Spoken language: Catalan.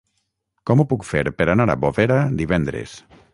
Com ho puc fer per anar a Bovera divendres?